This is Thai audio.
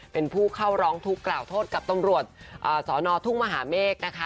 เป็นผู้เข้าร้องทุกข์กล่าวโทษกับตำรวจสนทุ่งมหาเมฆนะคะ